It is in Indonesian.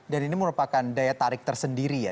dan ini merupakan daya tarik tersendiri ya